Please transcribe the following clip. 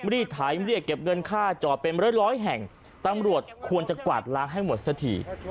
รีดไถเรียกเก็บเงินค่าจอดเป็นร้อยร้อยแห่งตำรวจควรจะกวาดล้างให้หมดสักที